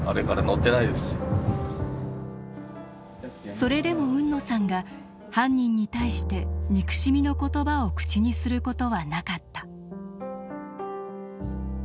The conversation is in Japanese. それでも海野さんが犯人に対して憎しみの言葉を口にすることはなかった。